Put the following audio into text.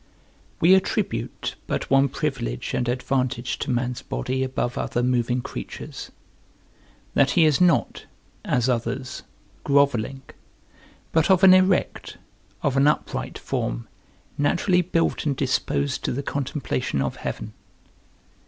We attribute but one privilege and advantage to man's body above other moving creatures, that he is not, as others, grovelling, but of an erect, of an upright, form naturally built and disposed to the contemplation of heaven.